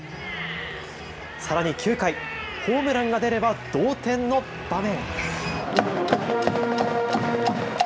さらに９回、ホームランが出れば同点の場面。